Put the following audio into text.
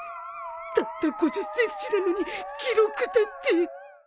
たった ５０ｃｍ なのに記録だって！